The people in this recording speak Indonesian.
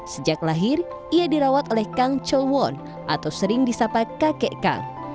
sejak lahir ia dirawat oleh kang chowon atau sering disapa kakek kang